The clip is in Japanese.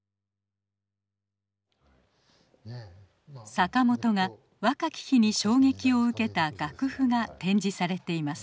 坂本が若き日に衝撃を受けた楽譜が展示されています。